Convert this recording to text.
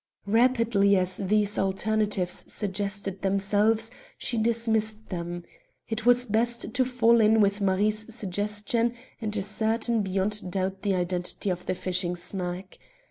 Rapidly as these alternatives suggested themselves, she dismissed them. It was best to fall in with Marie's suggestion and ascertain beyond doubt the identity of the fishing smack.